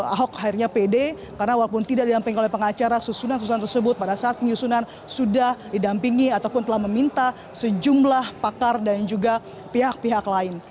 ahok akhirnya pede karena walaupun tidak didamping oleh pengacara susunan susunan tersebut pada saat penyusunan sudah didampingi ataupun telah meminta sejumlah pakar dan juga pihak pihak lain